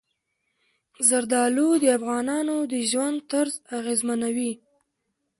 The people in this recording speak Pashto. زردالو د افغانانو د ژوند طرز اغېزمنوي.